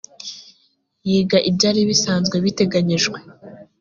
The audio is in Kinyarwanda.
yiga ibyari bisanzwe biteganyijwe